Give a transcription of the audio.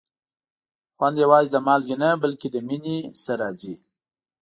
خوند یوازې د مالګې نه، بلکې د مینې نه راځي.